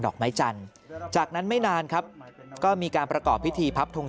อกไม้จันทร์จากนั้นไม่นานครับก็มีการประกอบพิธีพับทง